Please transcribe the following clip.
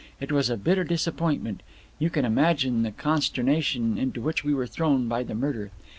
It was a bitter disappointment. You can imagine the consternation into which we were thrown by the murder.